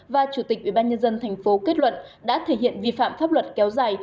và chủ tịch ủy ban nhân dân tp hcm kết luận đã thể hiện vi phạm pháp luật kéo dài